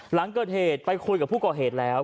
หลังเกิดเหตุไปคุยกับผู้ก่อเหตุแล้ว